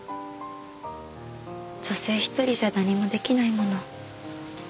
女性一人じゃ何もできないもの。